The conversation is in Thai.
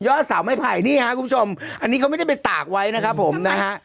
สาวไม้ไผ่นี่ฮะคุณผู้ชมอันนี้เขาไม่ได้ไปตากไว้นะครับผมนะฮะ